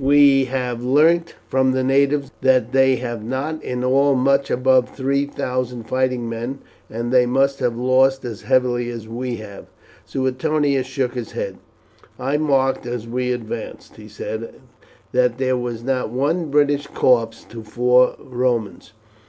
"We have learnt from the natives that they have not in all much above three thousand fighting men, and they must have lost as heavily as we have." Suetonius shook his head. "I marked as we advanced," he said, "that there was not one British corpse to four Romans.